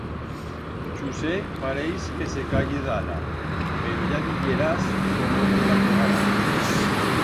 Chusé pareix que se caye d'ala, pero ya viyerás cómo te la pegará!